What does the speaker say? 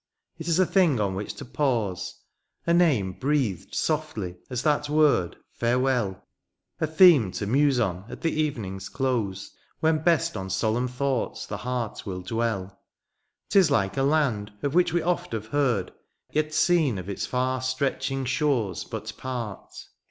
it is a thing on which to pause^ A name breathed softly as that word^ ^^farewelly A theme to muse on at the evening's close^ When best on solemn thoughts the heart will dwell. THs like a land of which we oft have heard^ Yet seen of its far stretching shores but part.